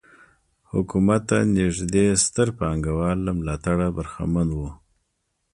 حکومت ته نږدې ستر پانګوال له ملاتړه برخمن وو.